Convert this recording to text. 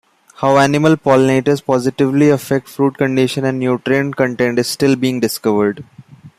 How animal pollinators positively affect fruit condition and nutrient content is still being discovered.